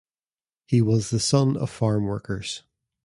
He was the son of farm workers.